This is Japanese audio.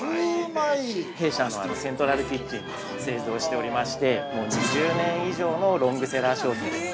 弊社のセントラルキッチンで製造しておりまして２０年以上のロングセラー商品です。